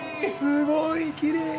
すごいきれい！